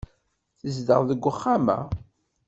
Tezdeɣ deg uxxam-a.